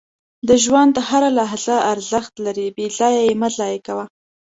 • د ژوند هره لحظه ارزښت لري، بې ځایه یې مه ضایع کوه.